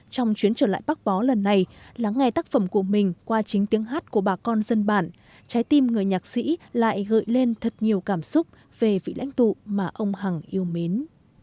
trong chuyến trở lại bắc bó lần này lắng nghe tác phẩm của mình qua chính tiếng hát của bà con dân bản trái tim người nhạc sĩ lại gợi lên thật nhiều cảm xúc về vị lãnh tụ mà ông hằng yêu mến